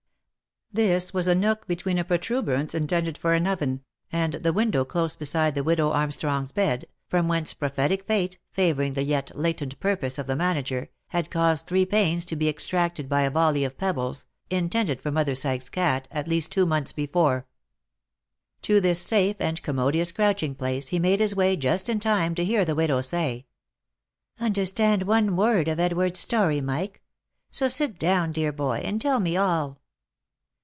This was a nook between a pro tuberance intended for an oven, and the window close beside the widow Armstrong's bed, from whence prophetic fate, favouring the yet latent purpose of the manager, had caused three panes to be ex tracted by a volley of pebbles, intended for mother Sykes's cat, at least two months before. 38 THE LIFE AND ADVENTURES To this safe and commodious crouching place, he made his way just in time to hear the widow say, " Understand one word of Edward's story, Mike; so sit down dear boy, and tell me all."